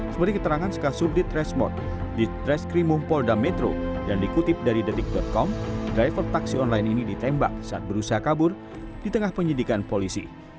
seperti keterangan sekasubdit resmot di treskrimum polda metro dan dikutip dari detik com driver taksi online ini ditembak saat berusaha kabur di tengah penyidikan polisi